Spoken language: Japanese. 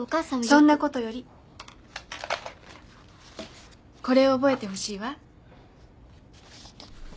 そんなことよりこれを覚えてほしいわ